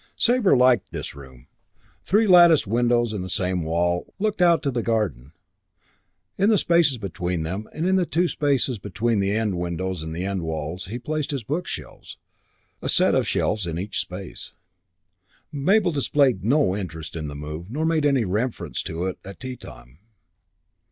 II Sabre liked this room. Three latticed windows, in the same wall, looked on to the garden. In the spaces between them, and in the two spaces between the end windows and the end walls, he placed his bookshelves, a set of shelves in each space. Mabel displayed no interest in the move nor made any reference to it at teatime.